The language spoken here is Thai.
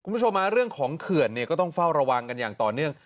คุณผู้ชมเรื่องของเขื่อนเนี่ยก็ต้องเฝ้าระวังกันอย่างต่อเนื่อง